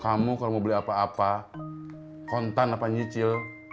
kamu kalau mau beli apa apa kontan apa nyicil